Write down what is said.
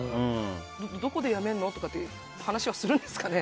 どこでやめるの？とかって話はするんですかね。